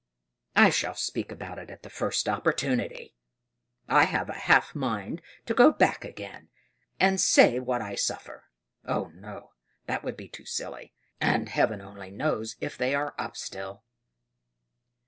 I shall speak about it at the first opportunity. I have half a mind to go back again, and say what I suffer. But no, that would be too silly; and Heaven only knows if they are up still."